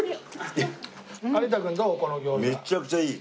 めちゃくちゃいい。